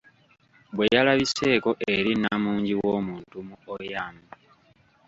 Bwe yalabiseeko eri namungi w'omuntu mu Oyam.